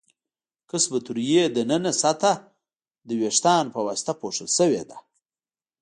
قصبة الریې د ننه سطحه د وېښتانو په واسطه پوښل شوې ده.